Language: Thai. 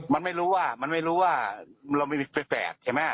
มันไม่รู้ว่ามันไม่รู้ว่าเราไปแฝดใช่ไหม